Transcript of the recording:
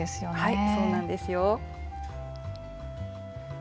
はいそうなんですよ。